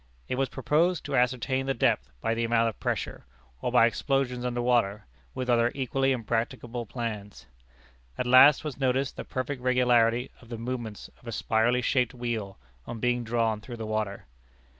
It was proposed to ascertain the depth by the amount of pressure, or by explosions under water, with other equally impracticable plans. At last was noticed the perfect regularity of the movements of a spirally shaped wheel, on being drawn through the water.